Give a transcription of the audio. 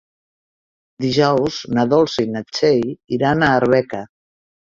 Dijous na Dolça i na Txell iran a Arbeca.